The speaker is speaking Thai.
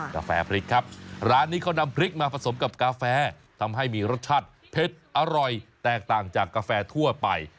กาแฟพริกครับร้านนี้เขานำพริกมาผสมกับกาแฟทำให้มีรสชาติเผ็ดอร่อยแตกต่างจากกาแฟทั่วไป